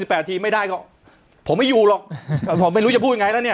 แปดทีมไม่ได้ก็ผมไม่อยู่หรอกครับผมไม่รู้จะพูดยังไงแล้วเนี่ย